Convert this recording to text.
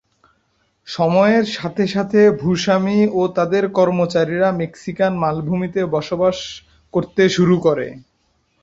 সময়ের সাথে সাথে ভূস্বামী ও তাদের কর্মচারীরা মেক্সিকান মালভূমিতে বসবাস করতে শুরু করে।